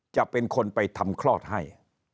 จะเป็นคนไปทำคลอดให้